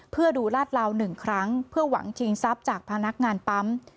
เพื่อดูลาดลาว๑ครั้งเพื่อหวังชิงทรัพย์จากพนักงานปั๊ม